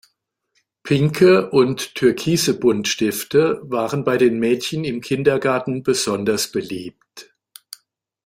Pinke und türkise Buntstifte waren bei den Mädchen im Kindergarten besonders beliebt.